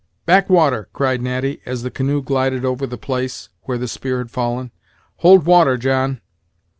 "Back water," cried Natty, as the canoe glided over the place where the spear had fallen; "hold water, John."